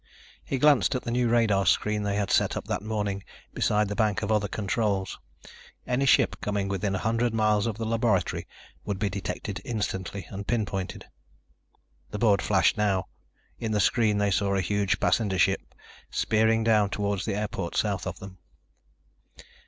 He glanced at the new radar screen they had set up that morning beside the bank of other controls. Any ship coming within a hundred miles of the laboratory would be detected instantly and pinpointed. The board flashed now. In the screen they saw a huge passenger ship spearing down toward the airport south of them.